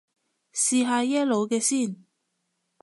試下耶魯嘅先